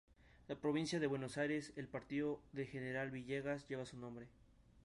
En la provincia de Buenos Aires, el Partido de General Villegas lleva su nombre.